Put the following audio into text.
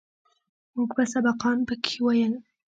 موږ به سبقان پکښې ويل.